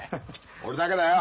俺だけだよ。